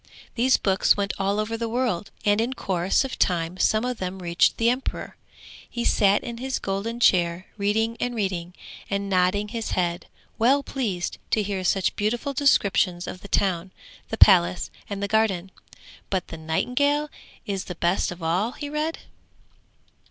These books went all over the world, and in course of time some of them reached the emperor. He sat in his golden chair reading and reading, and nodding his head, well pleased to hear such beautiful descriptions of the town, the palace and the garden. 'But the nightingale is the best of all,' he read.